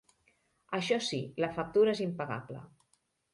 Això sí, la factura és impagable.